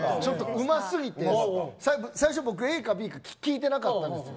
うますぎて最初僕、ＡかＢか聞いてなかったんですよ。